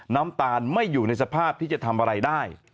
น้ำตาลไม่อยู่ในสภาพที่จะทำอะไรได้